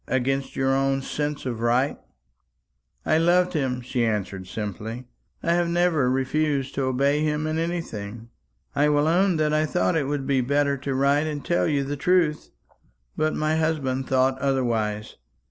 Against your own sense of right?" "I loved him," she answered simply. "I have never refused to obey him in anything. I will own that I thought it would be better to write and tell you the truth; but my husband thought otherwise.